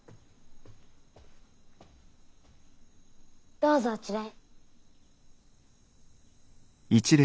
どうぞあちらへ。